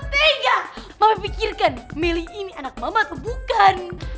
mama pikirkan meli ini anak mama atau bukan